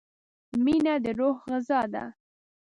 • مینه د روح غذا ده.